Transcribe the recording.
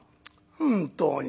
本当に。